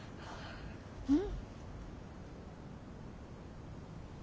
うん。